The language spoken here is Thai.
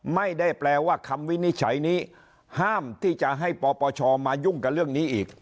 ไม่ได้แปลว่าคำวินิจฉัยนี้ห้ามที่จะให้ปปชมายุ่งกับเรื่องนี้อีก